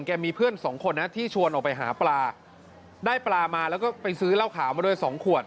มีเพื่อนสองคนนะที่ชวนออกไปหาปลาได้ปลามาแล้วก็ไปซื้อเหล้าขาวมาด้วยสองขวด